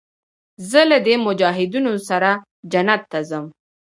زه له دې مجاهدينو سره جنت ته ځم.